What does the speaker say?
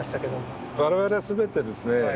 我々は全てですね